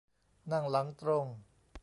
นั่งหลังตรง